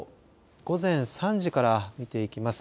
午前３時から見ていきます。